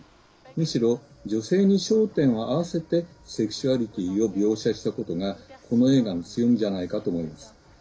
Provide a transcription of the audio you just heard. むしろ女性に焦点を合わせてセクシュアリティーを描写したことがこの映画の強みじゃないかと思います。